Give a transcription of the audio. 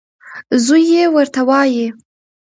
زوی یې ورته وايي .